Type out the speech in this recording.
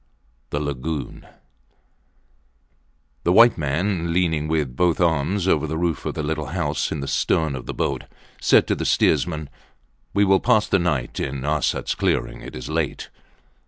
THE LAGOON The white man, leaning with both arms over the roof of the little house in the stern of the boat, said to the steersman We will pass the night in Arsats clearing. It is late.